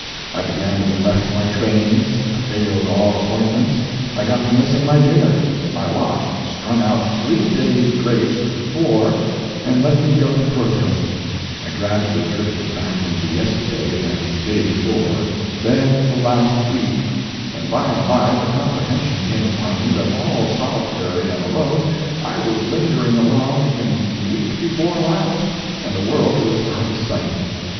I began to be left by trains, I failed all appointments, I got to missing my dinner; my watch strung out three days' grace to four and let me go to protest; I gradually drifted back into yesterday, then day before, then into last week, and by and by the comprehension came upon me that all solitary and alone I was lingering along in week before last, and the world was out of sight.